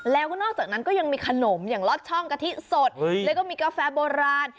แล้วก็นอกจากนั้นก็ยังมีขนมอย่างลอดช่องกะทิสดแล้วก็มีกาแฟโบราณ